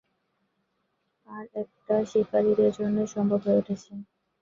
আর এটা শিকারীদের জন্যই সম্ভব হয়ে উঠেছে।